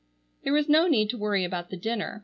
There was no need to worry about the dinner.